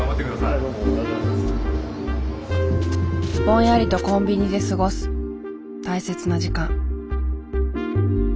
ぼんやりとコンビニで過ごす大切な時間。